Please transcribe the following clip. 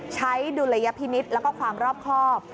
ดุลยพินิษฐ์แล้วก็ความรอบครอบ